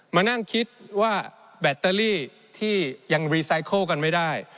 มานั่งคิดว่าแบตเตอรี่ที่ยังรีไซเคิลกันไม่ได้